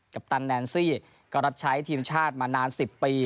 ปตันแนนซี่ก็รับใช้ทีมชาติมานาน๑๐ปี